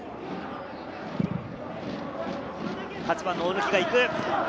８番の大貫が行く。